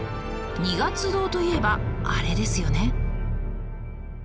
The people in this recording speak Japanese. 二月堂といえばあれですよね。